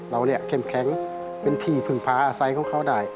เราเนี่ยเข้มแข็งเป็นที่พึ่งพาอาศัยของเขาได้